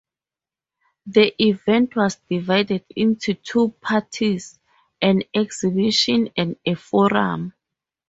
The event was divided into two parts: an Exhibition and a Forum.